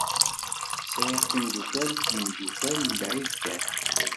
Sɛiɣ timdukal d yimdukal mebɛid kan.